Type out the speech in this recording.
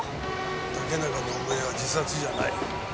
竹中伸枝は自殺じゃない。